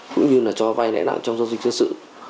cũng như là cho vay nợ nặng trong doanh dịch chân sự